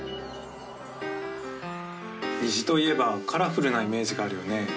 虹といえばカラフルなイメージがあるよね。